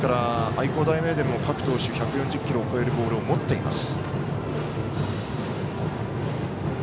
愛工大名電も各投手１４０キロを超えるボール持っています。